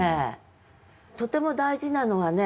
とても大事なのはね